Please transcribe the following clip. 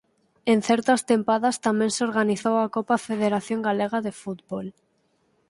En certas tempadas tamén se organizou a Copa Federación Galega de Fútbol.